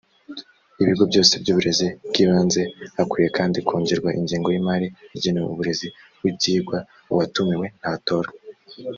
ibigo byose by uburezi bw ibanze hakwiye kandi kongerwa ingengo yimari igenewe uburezi w ibyigwa uwatumiwe ntatora